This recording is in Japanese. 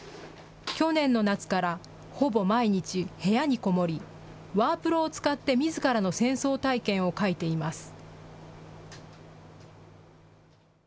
去年の夏からほぼ毎日、部屋にこもり、ワープロを使ってみずからの戦争体験を書いています。